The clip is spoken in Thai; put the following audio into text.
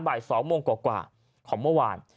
ตอนสักประมาณบ่าย๒โมงกว่าของเมื่อวาน